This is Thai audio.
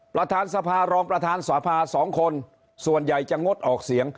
ประธานสภารองประธานสภา๒คนส่วนใหญ่จะงดออกเสียง